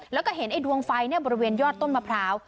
แล้วก็เห็นไอ้ดวงไฟบริเวณยอดต้นมะพร้าว